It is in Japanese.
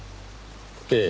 ええ。